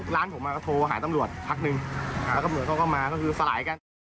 แล้วก็ตำรวจเขาก็มาก็คือสลายกัน